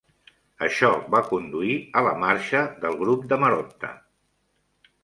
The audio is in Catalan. Això va conduir a la marxa del grup de Marotta.